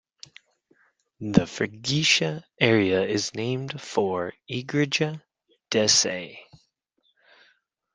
The freguesia area is named for "Igreja da Sé".